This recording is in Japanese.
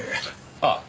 ああ。